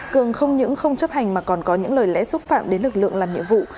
cường không những không chấp hành mà còn có những lời lẽ xúc phạm đến lực lượng làm nhiệm vụ